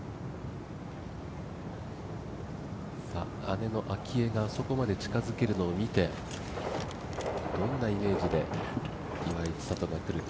姉の明愛があそこまで近づけるのを見て、どんなイメージで岩井千怜がくるか。